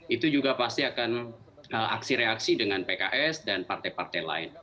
itu juga pasti akan aksi reaksi dengan pks dan partai partai lain